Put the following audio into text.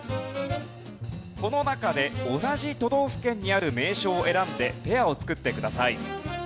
この中で同じ都道府県にある名所を選んでペアを作ってください。